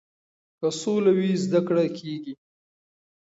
که سوله وي زده کړه کیږي.